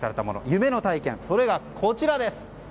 夢の体験、それがこちらです。